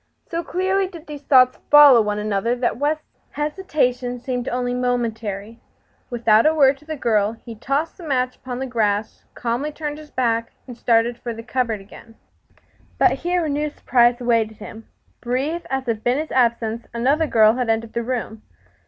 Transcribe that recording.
So clearly did these thoughts follow one another that West's hesitation seemed only momentary. Without a word to the girl he tossed the match upon the grass, calmly turned his back, and started for the cupboard again. But here a new surprise awaited him. Brief as had been his absence, another girl had entered the room.